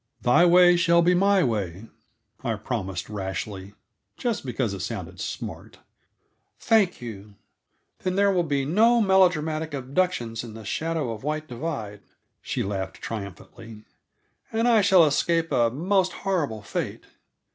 "Thy way shall be my way," I promised rashly, just because it sounded smart. "Thank you. Then there will be no melodramatic abductions in the shadow of White Divide," she laughed triumphantly, "and I shall escape a most horrible fate!"